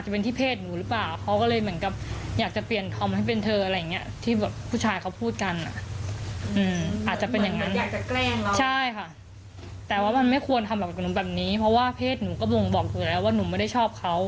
เพราะว่าเพศหนูก็บ่งบอกตัวเองแล้วว่าหนูไม่ได้ชอบเขา